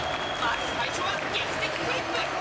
まず最初は「劇的クリップ」！